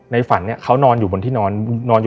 ในฝั่นนี้เขานอนอยู่ที่นอน